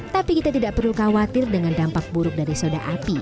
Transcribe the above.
tapi kita tidak perlu khawatir dengan dampak buruk dari soda api